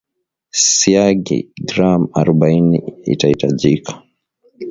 siagi gram arobaini itahitajika